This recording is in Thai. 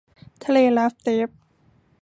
ทะเลลัปเตฟ